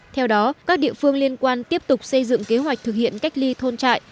theo đó các địa phương liên quan tiếp tục xây dựng kế hoạch thực hiện cách ly thôn trại